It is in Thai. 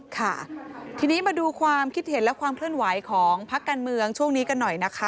ค่ะทีนี้มาดูความคิดเห็นและความเคลื่อนไหวของพักการเมืองช่วงนี้กันหน่อยนะคะ